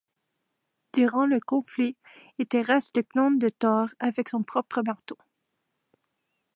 Durant le conflit, il terrasse le clone de Thor avec son propre marteau.